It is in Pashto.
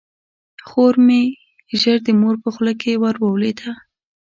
خور به مې ژر د مور په خوله کې ور ولویده.